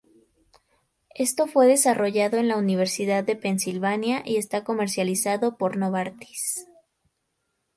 Esto fue desarrollado en la Universidad de Pensilvania y está comercializado por Novartis.